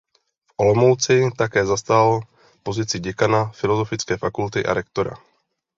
V Olomouci také zastal pozici děkana Filosofické fakulty a rektora.